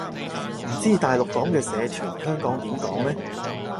唔知大陸講嘅社團，香港點講呢